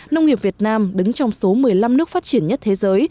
nông nghiệp việt nam đứng trong số một mươi năm nước phát triển nhất thế giới